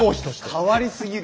「変わりすぎる」！